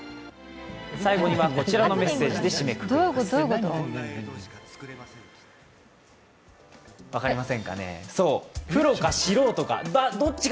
最後には、こちらのメッセージで締めくくります。